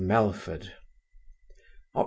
MELFORD Oct.